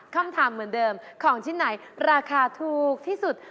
คำถามเหมือนเดิมของชิ้นไหนราคาถูกที่สุด